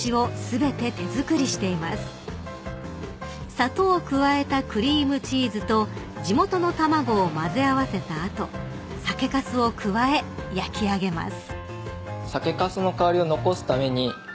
［砂糖を加えたクリームチーズと地元の卵を混ぜ合わせた後酒かすを加え焼き上げます］